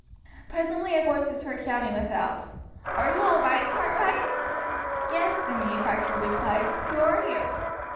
Presently a voice was heard shouting without: "Are you all right, Cartwright?" "Yes," the manufacturer replied. "Who are you?"